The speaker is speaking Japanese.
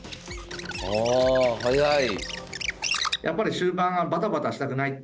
ああ早い。